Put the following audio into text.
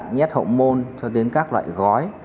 nhét hộm môn cho đến các loại gói